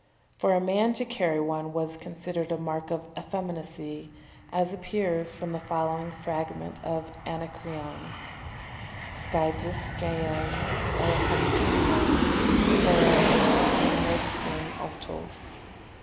"] For a man to carry one was considered a mark of effeminacy, as appears from the following fragment of Anacreon: "_skiadiskaen elephantinaen phorei gunaixin autos.